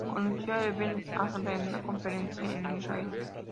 Conoció a Herbert Hart en una conferencia en Israel.